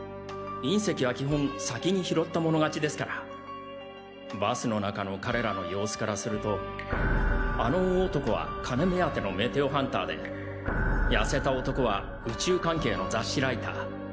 隕石は基本先に拾った者勝ちですからバスの中の彼らの様子からするとあの大男は金目当てのメテオハンターで痩せた男は宇宙関係の雑誌ライター。